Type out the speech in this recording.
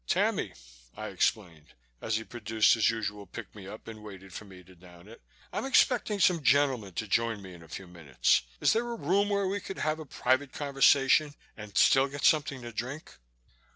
"Tammy," I explained, as he produced his usual pick me up and waited for me to down it. "I'm expecting some gentlemen to join me in a few minutes. Is there a room where we could have a private conversation and still get something to drink?"